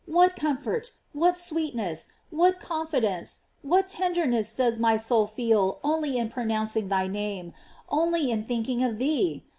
what comfort, what sweetness, what con fidence, what tenderness does my soul fee) only in pronouncing thy name, only in thinking of thee?